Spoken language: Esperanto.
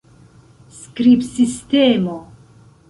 skribsistemo